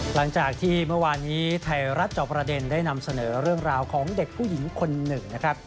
หลังจากที่เมื่อวานนี้ไทยรัฐจอบประเด็นได้นำเสนอเรื่องราวของเด็กผู้หญิงคนหนึ่งนะครับ